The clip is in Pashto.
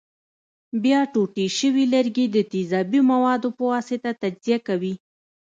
بیا ټوټې شوي لرګي د تیزابي موادو په واسطه تجزیه کوي.